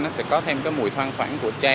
nó sẽ có thêm cái mùi thoang thoảng của tre